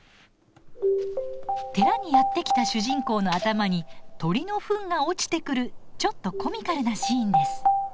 寺にやって来た主人公の頭に鳥のふんが落ちてくるちょっとコミカルなシーンです。